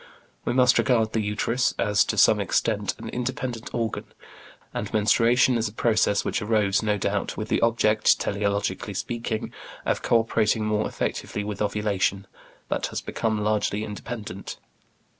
We must regard the uterus as to some extent an independent organ, and menstruation as a process which arose, no doubt, with the object, teleologically speaking, of cooperating more effectively with ovulation, but has become largely independent.